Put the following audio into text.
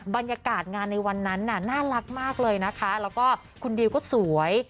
บรรยากาศงานในวันนั้นน่ะน่ารักมากเลยนะคะแล้วก็คุณดิวก็สวย